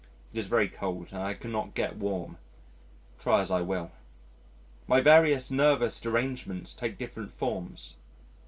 It is very cold and I cannot get warm try as I will. My various nervous derangements take different forms.